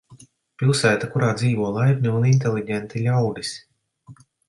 Pilsēta, kurā dzīvo laipni un inteliģenti ļaudis.